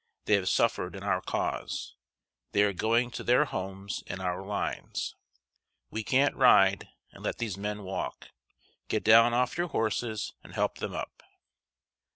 They have suffered in our Cause. They are going to their homes in our lines. We can't ride and let these men walk. Get down off your horses, and help them up."